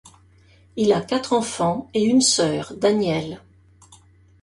Il a quatre enfants et une sœur, Danièle.